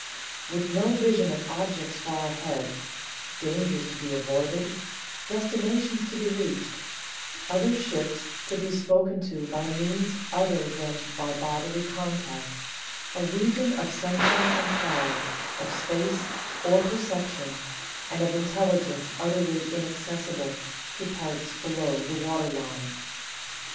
With no vision of objects far ahead dangers to be avoided destinations to be reached other ships to be spoken to by means other than by bodily contact a region of sunshine and cloud, of space, or perception, and of intelligence utterly inaccessible to parts below the waterline."